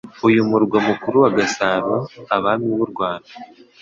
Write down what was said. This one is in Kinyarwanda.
Uyu murwa mukuru wa Gasabo abami b'u Rwanda